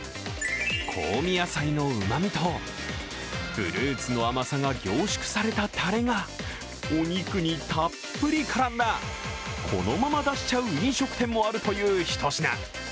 香味野菜のうまみとフルーツの甘さが凝縮されたたれがお肉にたっぷり絡んだこのまま出しちゃう飲食店もあるというひと品。